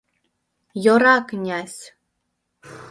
— Йӧра, князь!